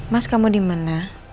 mas kamu dimana